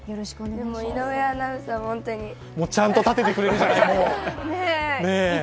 井上アナウンサーも本当にちゃんと立ててくれるじゃないの。